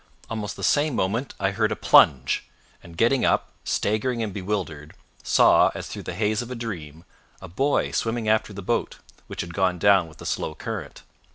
Almost the same moment I heard a plunge, and getting up, staggering and bewildered, saw, as through the haze of a dream, a boy swimming after the boat, which had gone down with the slow current.